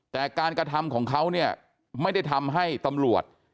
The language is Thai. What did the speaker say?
แต่การกระทำของเขาเนี่ยไม่ได้ทำให้ตำรวจ